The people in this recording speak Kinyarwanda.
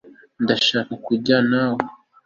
ndashaka kujyana nawe